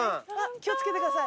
気を付けてください。